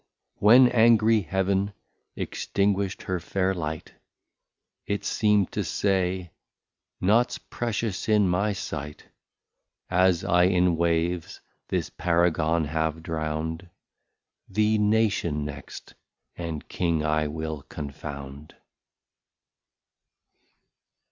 When angry Heav'n extinguisht her fair Light, It seem'd to say, Nought's Precious in my sight; As I in Waves this Paragon have drown'd, The Nation next, and King I will confound.